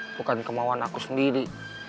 bukan kemauan aku sendiri